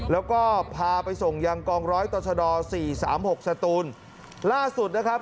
แล้วก็พาไปส่งยังกองร้อยต่อชะดอสี่สามหกสตูนล่าสุดนะครับ